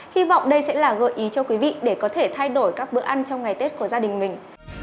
hy vọng đây sẽ là gợi ý cho quý vị để có thể thay đổi các bữa ăn trong ngày tết của gia đình mình